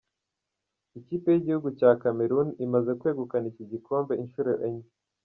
Ikipe y'igihugu cya Cameroon imaze kwegukana iki gikombe inshuro enye.